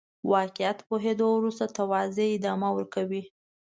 واقعيت پوهېدو وروسته توزيع ادامه ورکړو.